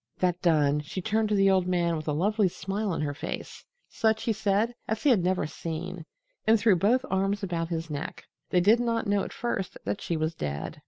That done, she turned to the old man with a lovely smile on her face such, he said, as he had never seen and threw both arms about his neck. They did not know at first that she was dead.